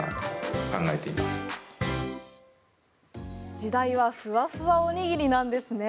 時代はふわふわおにぎりなんですね。